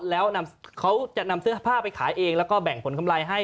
แล้วเขาจะนำเสื้อผ้าไปขายเองแล้วก็แบ่งผลกำไรให้